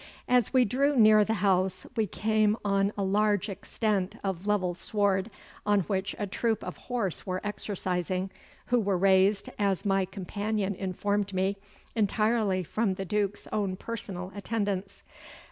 As we drew near the house we came on a large extent of level sward on which a troop of horse were exercising, who were raised, as my companion informed me, entirely from the Duke's own personal attendants.